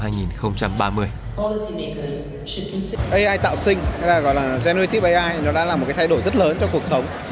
ai tạo sinh hay là gọi là genryp ai nó đã là một cái thay đổi rất lớn trong cuộc sống